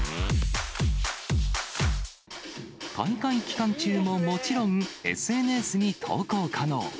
大会期間中ももちろん、ＳＮＳに投稿可能。